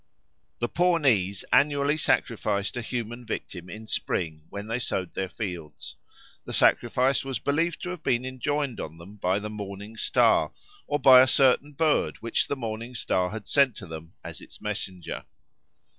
The Pawnees annually sacrificed a human victim in spring when they sowed their fields. The sacrifice was believed to have been enjoined on them by the Morning Star, or by a certain bird which the Morning Star had sent to them as its messenger.